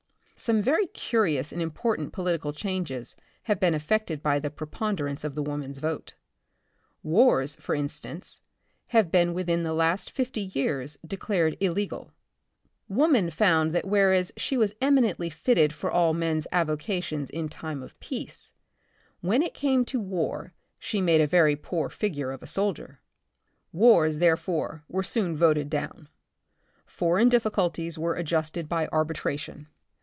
Some very curious and important political changes have been effected by the preponder ance of the woman's vote. Wars, for instance, have been within the last fifty years declared illegal. Woman found that whereas she was eminently fitted for all men's avocations in time of peace, when it came to war she made a very poor figure of a soldier. Wars, therefore, were soon voted down ; foreign difficulties were adjusted by arbitration.